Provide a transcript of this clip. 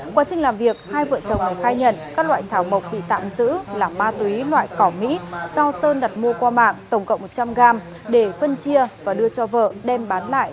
quá trình làm việc hai vợ chồng còn khai nhận các loại thảo mộc bị tạm giữ là ma túy loại cỏ mỹ do sơn đặt mua qua mạng tổng cộng một trăm linh gram để phân chia và đưa cho vợ đem bán lại